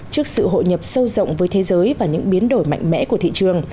trước sự hội nhập sâu rộng với thế giới và những biến đổi mạnh mẽ của thị trường